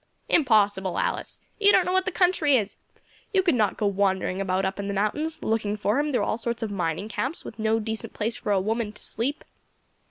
"Impossible, Alice! you don't know what the country is. You could not go wandering about up in the mountains, looking for him through all sorts of mining camps, with no decent place for a woman to sleep."